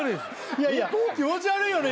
いやいや気持ち悪いよね